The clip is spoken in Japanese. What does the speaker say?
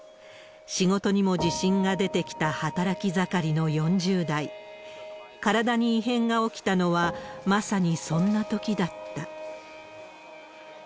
仕事にも自信が出てきた働き盛りの４０代、体に異変が起きたのはまさにそんなときだった。